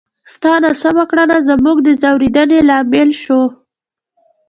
ستا ناسمه کړنه زموږ د ځورېدنې لامل شوه!